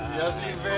iya sih be